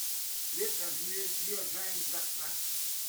huit avenue Diogène Bertrand